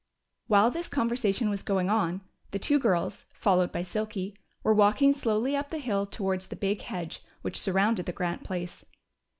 While this conversation was going on, the two girls, followed by Silky, were walking slowly up the hill towards the big hedge which surrounded the Grant place.